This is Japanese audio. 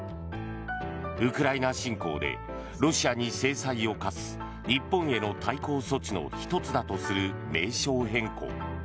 ウクライナ侵攻でロシアに制裁を科す日本への対抗措置の１つだとする名称変更。